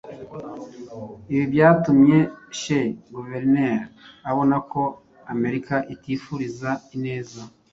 ibi byatumye che guevara abona ko amerika itifuruza ineza